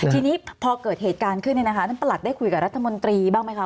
ทีนี้พอเกิดเหตุการณ์ขึ้นเนี่ยนะคะท่านประหลัดได้คุยกับรัฐมนตรีบ้างไหมคะ